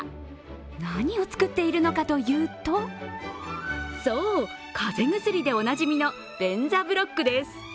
何を作っているのかというと、そう、風邪薬でおなじみのベンザブロックです。